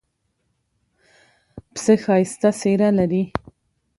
پسه ښایسته څېره لري.